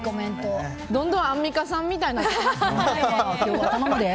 どんどんアンミカさんみたいに頼むで！